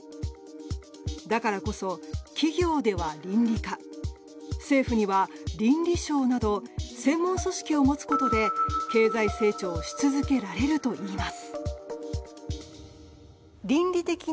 だからこそ、企業では倫理課政府には倫理省など専門組織を持つことで経済成長し続けられるといいます。